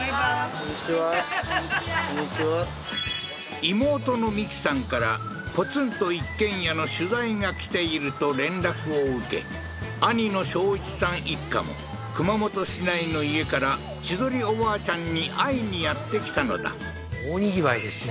こんにちはってこんにちは妹の美紀さんからポツンと一軒家の取材が来ていると連絡兄の翔一さん一家も熊本市内の家から千鳥おばあちゃんに会いにやって来たのだ大にぎわいですね